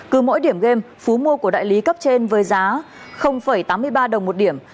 cứ mỗi điểm game phú mua của đại lý cấp trên với giá tám mươi ba đồng một điểm